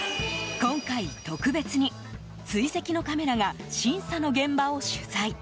今回特別に、追跡のカメラが審査の現場を取材。